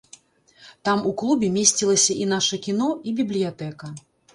Там у клубе месцілася і наша кіно, і бібліятэка.